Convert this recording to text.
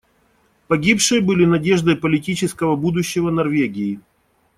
Погибшие были надеждой политического будущего Норвегии.